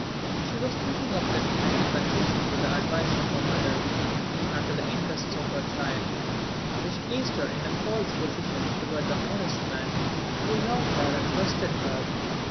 She was thinking of that fatal concession to the advice of her mother, and to the interests of her child, which placed her in a false position toward the honest man who loved her and trusted her.